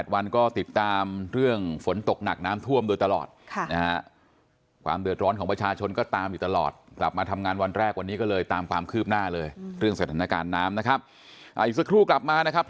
เพื่อลดปัญหาต่างเขียวข้องนะครับ